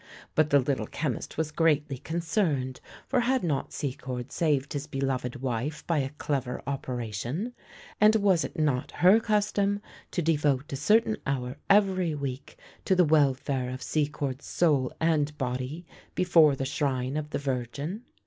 But the Little Chemist was greatly concerned — for had not Secord saved his beloved wife by a clever operation ? and was it not her custom to devote a certain hour every week to the welfare of Secord's soul and body, before the shrine of the Virgin